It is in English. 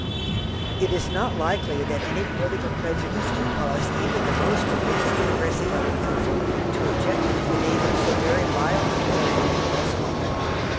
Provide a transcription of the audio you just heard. It is not likely that any political prejudice would cause even the most advanced Progressive on the Council to object to the name of so very mild a Tory being thus honoured.